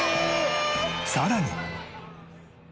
さらに。